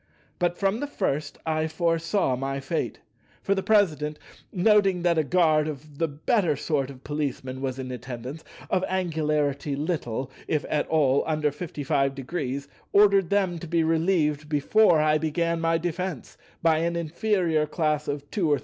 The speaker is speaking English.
But from the first I foresaw my fate; for the President, noting that a guard of the better sort of Policemen was in attendance, of angularity little, if at all, under 55°, ordered them to be relieved before I began my defence, by an inferior class of 2° or 3°.